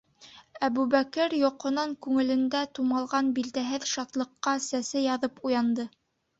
Әбүбәкер йоҡонан күңелендә тумалған билдәһеҙ шатлыҡҡа сәсәй яҙып уянды.